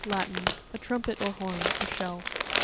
— Latin. A trumpet or horn ; a shell.